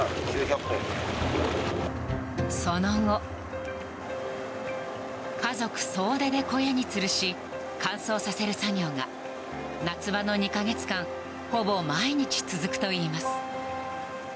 その後、家族総出で小屋につるし乾燥させる作業が夏場の２か月間ほぼ毎日続くといいます。